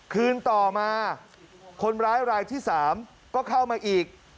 คืนต่อมาคนร้ายรายที่๓ก็เข้ามาอีก